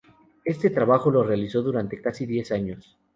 Este trabajo lo realizó durante casi diez años.